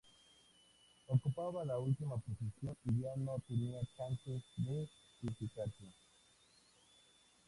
Ocupaba la última posición y ya no tenía chances de clasificarse.